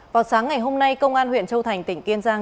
vào sáng ngày hôm nay công an huyện châu thành tỉnh kiên giang